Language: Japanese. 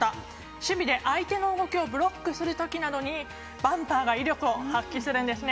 守備で相手の動きをブロックするときにバンパーが威力を発揮するんですね。